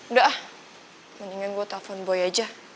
udah ah mendingan gue telepon boy aja